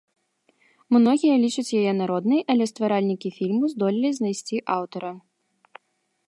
Многія лічаць яе народнай, але стваральнікі фільму здолелі знайсці аўтара.